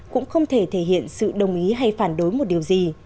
cũng không thể thể hiện sự đồng ý hay phản đối một điều gì